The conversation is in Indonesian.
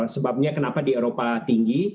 sebabnya kenapa di eropa tinggi